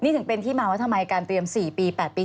นี่ถึงเป็นที่มาว่าทำไมการเตรียม๔ปี๘ปี